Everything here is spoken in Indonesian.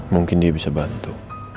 mungkin dia bisa bantu